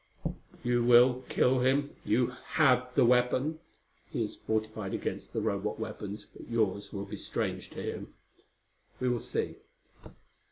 "You will kill him? You have the weapon. He is fortified against the Robot weapons, but yours will be strange to him." "We will see."